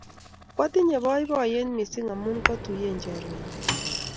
Kwatinnye poipoiyet missing' amun kwatuye chorwennyu